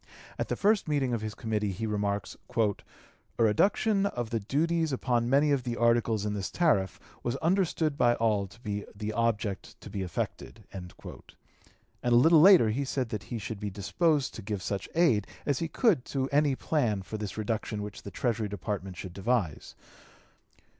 At the first meeting of his committee he remarks: "A reduction of the duties upon many of the articles in the tariff was understood by all to be the object to be effected;" and a little later he said that he should be disposed to give such aid as he could to any plan for this reduction which the Treasury Department should devise.